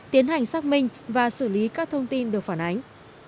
tiến hành xác minh và xử lý các thông tin được phản ánh